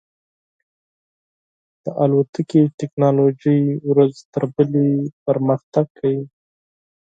د طیارې ټیکنالوژي ورځ تر بلې پرمختګ کوي.